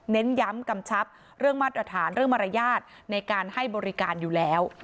เน้นย้ำกำชับเรื่องมาตรฐานเรื่องมารยาทในการให้บริการอยู่แล้ว